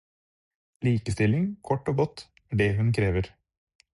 Likestilling, kort og godt, er det hun krever.